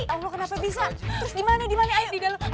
oh lo kenapa bisa terus dimana ayo di dalam